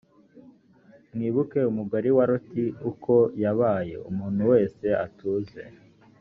mwibuke umugore wa loti uko yabaye. umuntu wese atuze